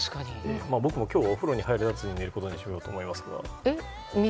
僕も今日お風呂に入らずに寝ることにしようと思います。